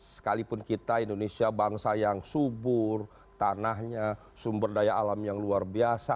sekalipun kita indonesia bangsa yang subur tanahnya sumber daya alam yang luar biasa